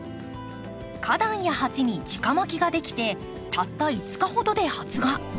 花壇や鉢に直まきができてたった５日ほどで発芽。